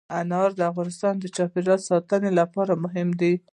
انار د افغانستان د چاپیریال ساتنې لپاره مهم دي.